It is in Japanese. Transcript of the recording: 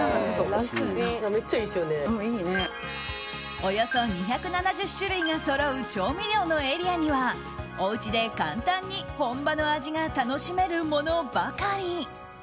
およそ２７０種類がそろう調味料のエリアにはお家で簡単に本場の味が楽しめるものばかり。